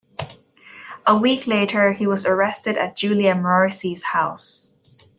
A week later he was arrested at Julia Morrissey's house.